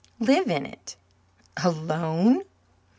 "Live in it." "Alone?"